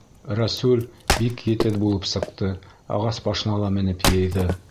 Рәсүл бик етеҙ булып сыҡты, ағас башына ла менеп йыйҙы.